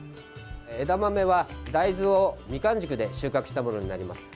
枝豆は、大豆を未完熟で収穫したものになります。